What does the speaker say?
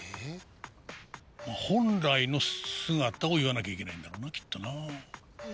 本来の姿を言わなきゃいけないんだもんな。